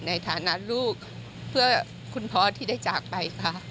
ในฐานะลูกเพื่อคุณพ่อที่ได้จากไปค่ะ